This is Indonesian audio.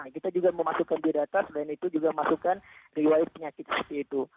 kita juga memasukkan biodata selain itu juga masukkan riwayat penyakit seperti itu